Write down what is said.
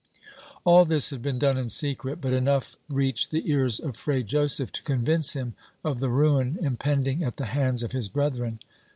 All this had been done in secret, but enough reached the ears of Fray Joseph to convince him of the ruin impending at the hands of his brethren.